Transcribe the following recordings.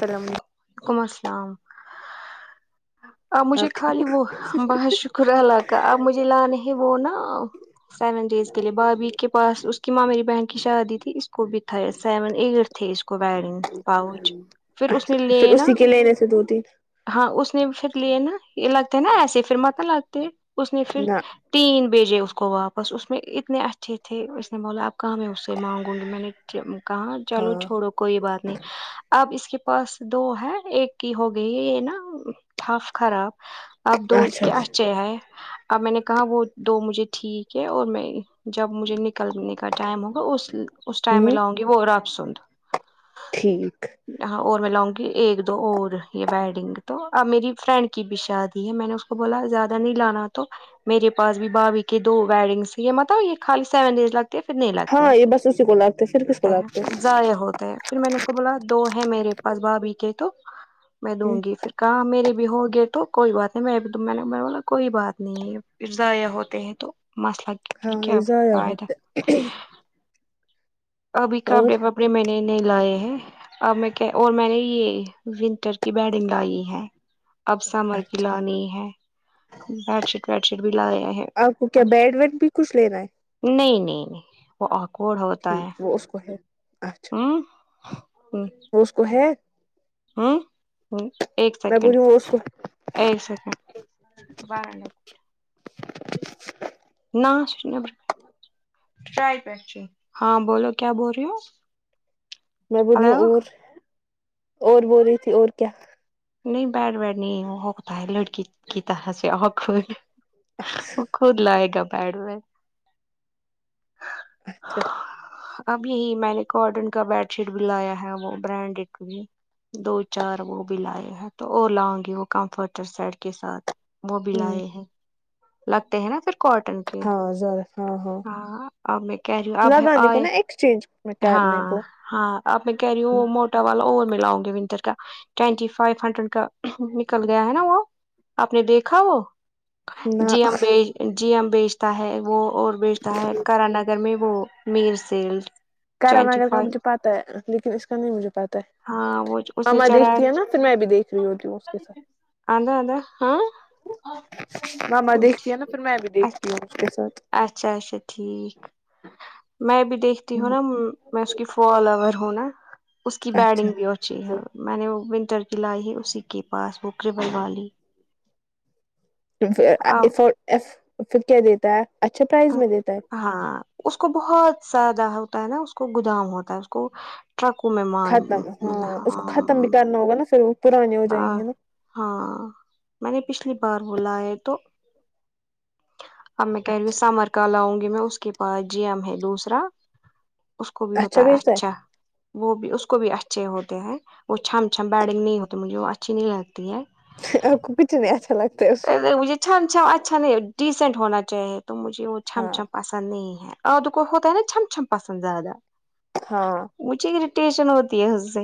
سلام علیکم ولیکم السلام آپ مجھے خالی وہ بہت شکر اللہ کا اپ مجھے لانے ہے وہ نا سیون ڈیز کے لیے بھابھی کے پاس اس کی ماں میری بہن کی شادی تھی اس کو بٹھایا سیون ایٹ تھے اس کو بن پاؤچ پھر اس میں اچھا پھر لینا اسی کے لینے سے دو تین ہاں اس نے پھر لیے نا یہ لگتے نا ایسے فر مت لگتے اس نے فر نہ تین بھیجے اس کو واپس اس میں اتنے اچھے تھے اس نے بولا اپ کہاں میں اس سے مانگوں گی میں نے کہاں چلو ہاں چھوڑو کوئی بات نہیں اب اس کے پاس دو ہے ایک کی ہو گئی یہ نا تھپ خراب اب دو اس اچھا کے اچھا اھے [unintelligible] آئے اب میں نے کہا وہ دو مجھے ٹھیک ہے اور میں جب مجھے نکلنے کا ٹائم ہوگا اس اس ٹائم میں ہ لاؤ گی وہ راب سند ٹھیک ہاں اور میں لاؤں گی ایک دو اور یہ بیڈنگ تو ا میری فرینڈ کی بھی شادی ہے میں نے اس کو بولا زیادہ نہیں لانا تو میرے پاس بھی بھابھی کے دو ویڈنگس یہ مطلب یہ خالی سیون ڈیز لگ پھر نہیں لگتے ہے ہاں یہ بس اسی کو پھر کس کو لگتے ہیں جے ہو پھر میں نے اس کو بولا دو ہے میرے پاس بابی کے تو میں دوں ہ گی پھر ہاں میرے بھی ہو گئے تو کوئی بات نہیں میں نے ب کوئی بات نہیں ہے پھر ضائع ہوتے ہیں تو مسئلہ پھر ہاں یہ کیا ضائع فائدہ ہوتا ابھی اور کپڑے وپڑے میں نے نہیں لائے ہیں اب میں کہ اور میں نے یہ ونٹر کی بیڈنگ لائی ہے اب سمر کی اچھا لانی ہے بیڈ شیٹ ویڈ شیٹ بھی لاے ہے آپ کو کیا بیڈ ویٹ بھی کچھ لینا ہے نہیں نہیں نہیں وہ اکڑ ہوتا ہے ٹھیک وہ اس کو ہے اچھا ہوں ہ اس کو ہے ہوں ہ ایک میں بول سیکنڈ رہی ہوں اس کو ایک سیکڈ بارہ لگ نہ س نبر ٹرائی پنسیو ہاں بولو کیا بول رہی ہو میں بول رہی ہوں ہلو اور اور بول رہی تھی اور کیا نہیں بیڈ بیٹ نہیں ہوتا ہے لڑکیتا سے آق وہ خود لائے گا بیڈ میں اچھا اب یہی میں نے کاٹن کا بیڈ شیٹ بھی لایا ہے وہ برانڈیڈ بھی دو چار وہ بھی لیا تو وہ لاؤں گی وہ کمفرٹر سائڈ کے ساتھ وہ بھی ہ لائے ہیں لگتے ہیں نا پھر کاٹن ہاں ذرا ہاں ہاں ا میں کہ رہی آب لگانے کو آئے نا ایکسچینج میں ہاں کرنے کو ہاں اب می کہ رہی ہوں وو مو ٹا والا اور ملاؤ گے ونٹر کا ٹٹی فو ہنڈریڈ کا نکل گیا ہے نا وہ آپ نے دیکھا ہو جی نہ ہم بیچ جی ہم بیچتا ہے وہ اور بیچتا ہے کرا نگر میں وہ میر سیلڈ کر اگر کا مجھ پتا لیکن اسکا نہیں مجھے پتہ ہے ہاں وہ اس نے ماما چڑھا دیکھتی ہیں نا پھر میں بھی دیکھ رہی ہوتی ہوں اس کے ساتھ اد ادا ہاں ماما دیکھتی ہیں نا پھر میں بھی دیکھتی ہوں اس کے ساتھ اچھا اچھا ٹھیک میں بھی دیکھتی ہوں نا میں اس کیفولور ہوں نا اس کی اچھا بیڈنگ بھی ہوتی جی ہاں میں نے وہ ونٹر کی لائی ہے اسی کے پاس وہک کربل والی پھر اب ا فور یف پھر کہ دیتا ہے اچھا پرائز میں دیتا ہے ہاں اس کو بہت زیادہ ہوتا ہے نا اس کو گودام ہوتا ہے اس کو ٹرکو میں مال ختم مہ ہاں اس کو ختم بھی کرنا ہوگا نا پر وہ پرانے ہو جائیں گے نا ہاں میں نے پچھلی بار بولا ہے تو اب میں کہہ رہی ہوں اچھا سمر کا لاؤں گی میں اس کے پاس جیم ہے دوسرا اس کو بھی ہوتا ہے اچھا وہ بھی اس کو بھی اچھے ہوتے ہیں وہ چم چھم بیڈنگ نہیں ہوتے مجھے وہ اچھی نہیں لگتی ہے آپ کو کچھ نہیں اچھا لگتا ہے اس [unintelligible] مجھے چم چم اچھا نہیں ڈیسینٹ ہونا چاہے تو مجھے وہ چھم ہاں چھم پاس پسند نہیں ہے اورتو کو ہوتا ہے نا چھم چھم پسند زیادہ ہاں مجھے اریٹیشن ہوتی ہے اس سے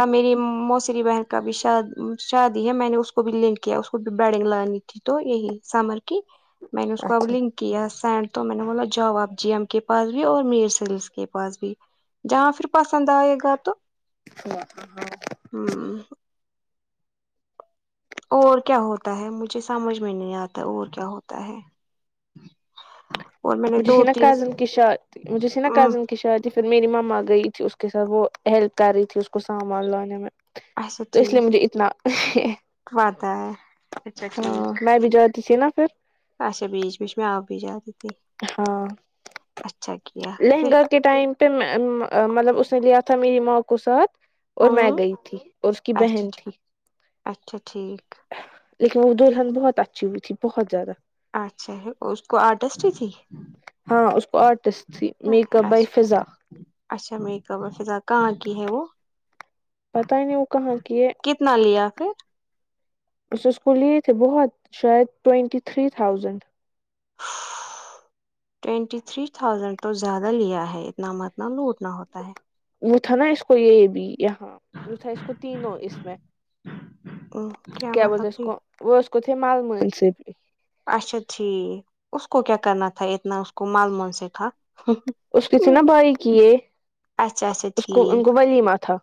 ا میری موس ری بہن کا بھی شاد شادی ہے میں نے اس کو بھی لنک کیا اس کو بھی بیڈنگ لانی تھی تو یہی سمر کی میں نے اس کو اب اچھا لنک کیا سینڈ تو میں نے بو جاو اب جی ایم کے پاس بھی اور میر سلس کے پاس بھی جہاں پھر پسند آئے گا تو ا ہاں ہمم اور کیا ہوتا ہے مجھے سمجھ میں نہیں آتا اور کیا ہوتا ہے اور میں نے مجھے س دو نا تین کزن کی شا مجھے س نا ہ کزن کہ شایدی پھر میری مما گئی تھی اس کے ساتھ وہ ہیلپ کر رہی تھی اس کو سامان لانے میں اچھا تو اس لیے ٹھیک مجھے اتنا بات ہے اچھا ہاں میں بھی جاتی تھی نا پھر ایسے بیچ بیچ میں ا بھی جاری ہاں کیا پھر لہنگا کے ٹائم مے می مطلب اس نے لیا تھا میری ماں کو ساتھ ہ اور میں گئی تھی اور اس کی اچھا بہن تھی اچھا ٹھیک لیکن دلہن بہت اچھی ہوئی تھی بہت زیادہ اچھا اس کو آرٹسٹ ہی تھی ہاں اس کو آرٹسٹ تھی میک اپ بائی اچھا فضا اچھا میک اپ بای فضا کہاں کی ہے وہ پتا ہی نہیں وہ کہاں کی ہے کتنا لیا پھر اسس اس کو لیے تھے بہت شاید twenty three thousand twenty three thousand تو زیادہ لیا ہے اتنا متنا لوٹ نہ ہوتا ہے وہ تھا نا اس کو یہ بھی یہاں وہ تھا اس کو تینوں اس میں ہے کیا بولتے مطلب اس کہ کو وہ اس کو تھے مالم سے بھی اچھا ٹھیک اس کو کیا کرنا تھا اتنا اس کو مال مول سے تھا اس کسی نا بھائی کیے اچھا اچھا ٹھیک تھا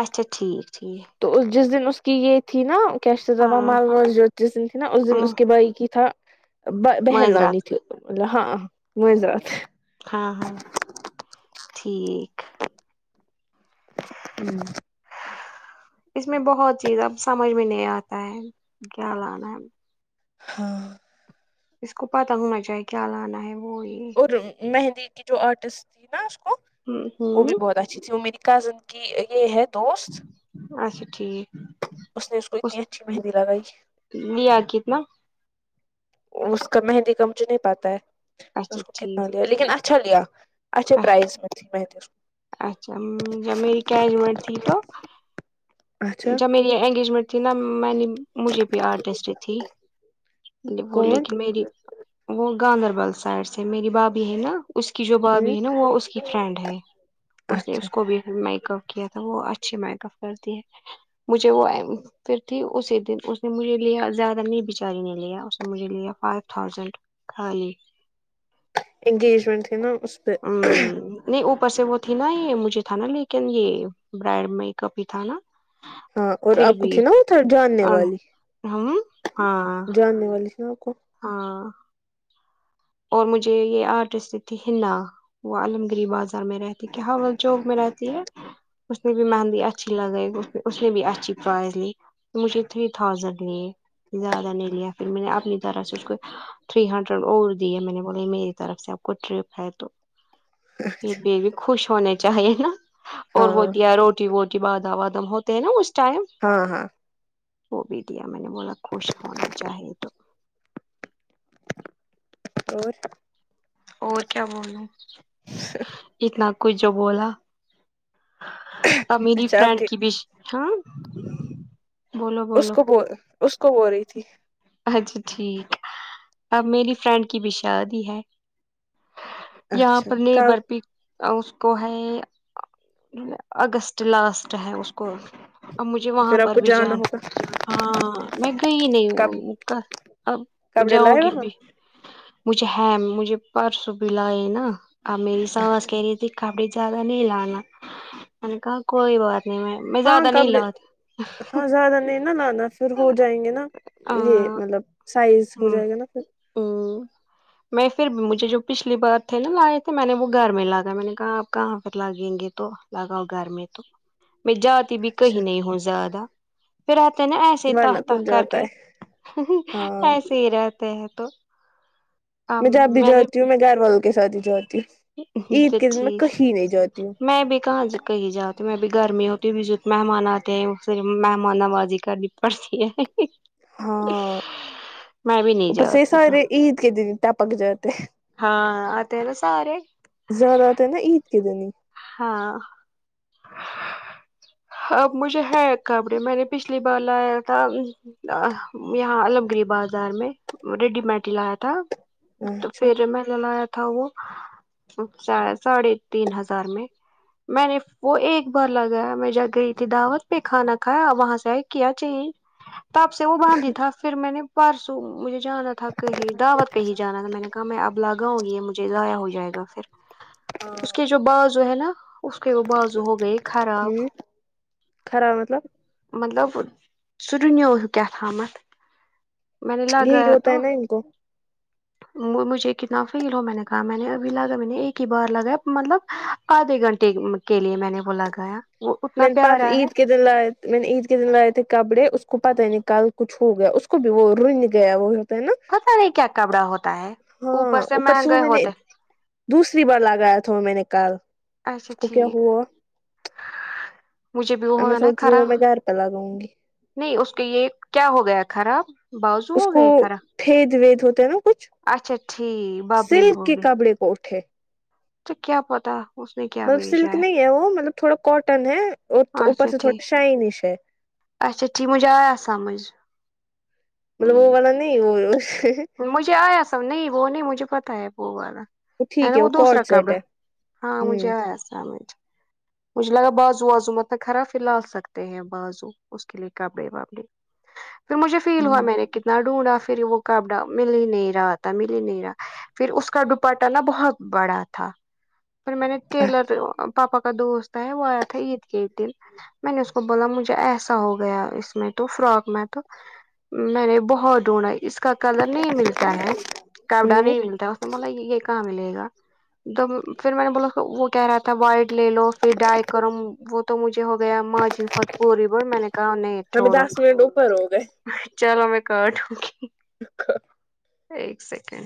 اچھا ٹھیک ٹھیک تو جس دن اس کی یہ تھی نا [unintelligible] ہاں ہاں جس دن تھی نا اس دن اس کے بھائی کی تھا بہن لانی معذرات تھی ہاں [unintelligible] ہاں ہاں ٹھیک ہوں اس میں بہت چیز اب سمجھ میں نہیں آتا ہے کیا لانا ہے ہاں اس کو پتا ہونا چاہیے کیا لانا ہے وہ یہ اور مہندی کی جو آرٹسٹ تھی نا اس کو وہ بھی ہوں بہت اچ جی جی وہ میری کزن کی یہ ہے دوست اچھا ٹھیک اس نے اس کو اتنی اچھی مہندی لگائی لیا کتنا اس کا مہندی کامجھ نہیں پاتا ہے اچھا اس کو کتنا ٹھیک لیا لیکن اچھا لیا اچھا پرائز [unintelligible] میں اس کو اچھا میری انگیجمنٹ تھی تو اچھا جب میری یہ انگیجمنٹ تھی نا میں نے مجھے بھی آرٹسٹیک تھی وہ کون لیکن میری وہ گاندربل سائڈ سے میری بھابھی ہے نا اس کی جو بھابھی ہے نا وہ اس کی فرینڈ ہے اس نے اچھا اس کو بھی میکا کیا تھا وہ اچھی میکاپ کرتی ہے مجھے وہ پھر تھی اسی دن اس نے مجھے لیا زیادہ نہیں بچاری نے لیا اس نے مجھے لیا فائیو تھازینڈ خالی انگیجمنٹ تھی نا اس پہ امم نہیں اوپر سے وہ تھی نا یہ مجھے تھا نا لیکن یہ برائڈ میکاپ بھی تھا نا ہاں اور پھر آپ کو بھی تھی نا وہ تھ جاننے والی ہم ہاں جاننے والی تھی نا آپ کو ہاں اور مجھے یہ آرٹسٹک تھی ہنا وہ عاللممگیری بازار میں رہتی کیا وہ چوک میں رہتی ہے اس نے بھی مہندی اچھی لگی مجھے اس نے بھی اچھی پرائز لی مجھے تھری تھازینڈ لیے زیادہ نہیں لیا پھر میں نے اپنی طرح سے کو تھری ہنڈریڈ اور میں نے بولا میری طرف سے آپ کو ٹپ ہے تو پھر خوش ہونے چاہے نا اور وہ ہاں دیا روٹی ووٹی بادام وادم ہوتے ہیں نا اس ٹائم ہاں ہاں وہ بھی دیا میں نے بولا خوش ہونا چاہے تو اور اور کیا بولو اتنا کچھ جو بولا میری اچھا آپ فرینڈ کے کی بھی ہاں بولو اس بولو کو بول اس کو بول رہی تھی اچھا ٹھیک اب میری فرینڈ کی بی شادی ہے یہاں اچھا پر بھی کب نہیں اس کو ہے اگست لاسٹ ہے اس کو اب مجھے وہاں پھر آپ پر کو بھی جانا جانہ ہوگا ہاں میں گئی نہیں کب ہو اب کپڑے جاؤ لائے گی وہاں بھی مجھے ہے مجھے پرسوں بھی لائے نا آپ میری سانس اچھا کہہ رہی تھی کبڑ زادہ نہیں لانا آ کاا کوئی بات نہیں میں میں ہاں زیادہ نہیں کپڑے لاتی ہاں زیادہ نہیں نا لانا پھر ہو جائیں گے نا یہ ہ مطلب سائز ہو جائے گا نا پھر ہ میں پھر بھی مجھے جو پچھلی بار تھے نا لائے تھے میں نے وہ گھر میں لایا میں نے کہا کہاں [unintelligible] گے تو لگاؤ گھر میں تو میں جاتی بھی کہیں اچھا نہیں ہو زیادہ پھر آتے نا ایسے تاہ ورنہ تاہ کون کر جاتا کے ہے ہاں سے رہتے ہیں تو میں جب بھی جاتی ہوں میں گھر والوں کے ساتھ ہی جاتی ہوں عید کے توٹھک دن میں کہیں نہیں جاتی ہوں میں بھی کہاں جا کہی نہیں جاتی میں بھی گھر میں ہوتی ہوں بھی جو مہمان آتے ہیں صرف مہمان نوازی کرنی پڑتی ہے ہاں میں بھی نہیں اوپر سے جاتی گ سارے عید کے دن ٹپک جاتے ہاں آتے ہے ناسارے زیادہ تر نا عید کے دن ہی ہاں اب مجھے ہے کپڑے میں نے پچھلی بار لایا تھا یہاں علم گری بازار میں ریڈی میڈلایا تھا تو اچھا پھر میں لایا تھا وہ ساڑھے تین ہزار میں میں نے وہ ایک بار لگایا میں جا گئی تھی دعوت پہ کھانا کھیا وہاں سے کیا چینج تپ سے وہ باندھی تھا پھر میں نے پرسو مجھے جانا تھاک ہی دعوت پہ ہی جا تھا م میں نے کہا میں اب لاگ گی مجھے ضائع ہو جائے گا پھر اس کے ہوں جو بازو ہے نا اس کے وہ بازو ہو گئے خراب خراب مطلب مطلب س رنیو ہو کیاتام میں نے یہی لاگایا ہوتا تو ہے نا ان کو مجھے کتنا فیل ہو میں نے کہا میں نے ابھی لگا میں نے ایک ہی بار لگایا مطلب آدھے گھنٹے کے لیے میں نے وہ لا گایا میں نے پ عید کے دن لائے میں نے عید کے دن لائے تھے کپڑے اس کو پتہ ہی نکل کچھ ہو گیا اس کو بھی وہ رن گیا وہ تے نا پتا نہیں کیا کپڑا ہوتا ہے ہاں اوپر سے وہ مہنگے میں نے ہوتے دوسری بار لاگایا تھا میں نےکال اچھا ٹھیک مجھے بھی وہ اب ہو میں ہے نا سوچ رہی کرا ہوں میں گھر پہ لگاؤں گی نہیں اس کے یہ کیا ہو گیا خراب بازو اس ہو کو گئے خراب پھید ود ہوتا ہے نا کچھ اچھا ٹھیک ببلنگ سلک کے ہوگی کپڑے کو اٹھے تو کیا پتا اس نے کیا مطلب سلک بھیجا نہیں ہے وہ مطلب تھوڑا کاٹن ہے اور اوپر اچھا سے ٹھیک تھوڑا شائنش ہے اچھا ایا سمجھ ہ یہ وال نہیں مجھے آیا سب نہیں وہ نہیں مجھے پتا ہے وہ والا ہے ٹھیک نا وہ دوسرا کارڈ سیٹ قبر ہے ہاں مجھے ہوں آیا سمجھ مجھے لگا بازو وازو متنا خرااب پ لال سکتے ہیں بازو اس کے لیے کپڑے وابڑے جو مجھے فیل ہوا ہوں میں نے کتنا ڈھونڈا پھر وہ کبڑا مل ہی نہیں رہا تھا مل ہی نہیں رہا پھر اس کا ڈپاٹا نا بہت بڑا تھا پھر میں نے اچھا ٹیلر پاپا کا دوست ہے وہ ایا تھا اید کے دن میں نے اس کو بولا مجھے ایسا ہو گیا اس میں تو فراک میں تو میں نے بہت ڈھونڈا اس کا کلر نہیں ملتا ہے کپڑا نہیں ملتا بولا یہ کہاں ملے گا پھر میں نے بولا وہ کہہ رہا تھا وائٹ لے لو پھر ڈائی کرو وہ تو مجھے ہو گیا ماں جی پوری ب میں نے ا نہیں ہمیں چھوڑد دس منٹ اوپر ہو گئے چلو میں کٹ دوں گی ایک سیکنڈ